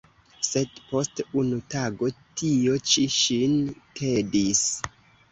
Sed post unu tago tio ĉi ŝin tedis.